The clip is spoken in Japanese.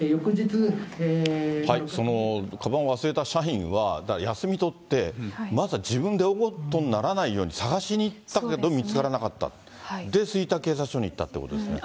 そのかばんを忘れた社員は休み取って、まずは自分で大ごとにならないように捜しに行ったけど見つからなかった、で、吹田警察署に行ったということですね。